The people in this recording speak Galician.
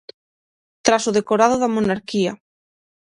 Tras o decorado da Monarquía.